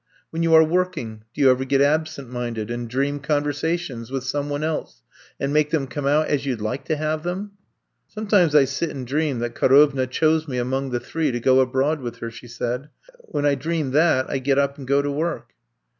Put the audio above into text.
When you are working do you ever get absent minded and dream conversations with some one else and make them come out as you 'd like to have them f ''Sometimes I sit and dream that Ka rovna chose me among the three to go abroad with her,'* she said. When I dream that I get up and go to work.